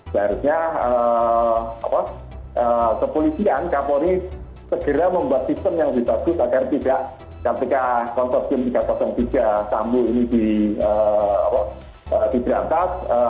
seharusnya kepolisian kapolri segera membuat sistem yang dibutuhkan agar tidak ketika kontorsium tiga ratus tiga sambil ini diberangkat